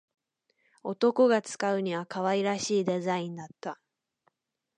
男が使うには可愛らしいデザインだった